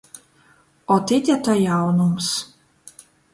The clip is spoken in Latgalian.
Ot, ite to jaunums!